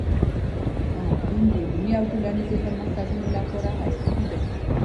پوهنتون د علمي او ټولنیزو پرمختګونو لپاره حیاتي دی.